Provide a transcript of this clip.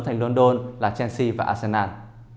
thành london là chelsea và arsenal